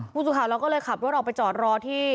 ผู้สื่อข่าวเราก็เลยขับรถออกไปจอดรอที่